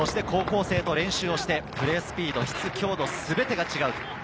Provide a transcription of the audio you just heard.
そして高校生と練習をしてプレースピード、質、強度、全てが違う。